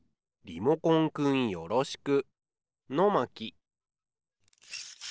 リモコンくんよろしく。